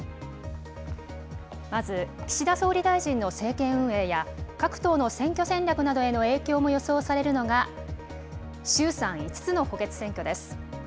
まず、岸田総理大臣の政権運営や各党の選挙での影響も予想されるのが衆参５つ補欠選挙です。